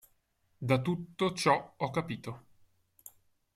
Da tutto ciò ho capito.